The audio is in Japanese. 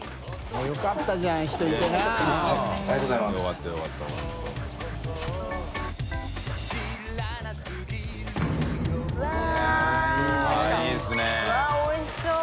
うわおいしそう。